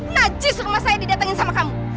najis rumah saya didatangin sama kamu